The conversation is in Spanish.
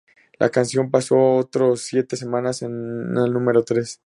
La canción pasó otros siete semanas en el número tres.